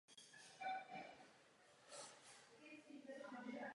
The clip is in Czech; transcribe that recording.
Jste to vy, kdo rozhoduje o struktuře.